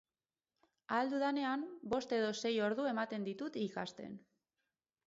Ahal dudanean, bost edo sei ordu ematen ditut ikasten.